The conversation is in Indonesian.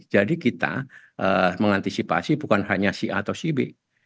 jadi kita mengantisipasi bukan hanya si a atau si b